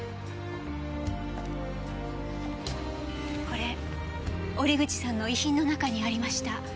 これ折口さんの遺品の中にありました。